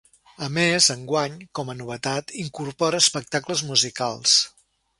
A més, enguany, com a novetat, incorpora espectacles musicals.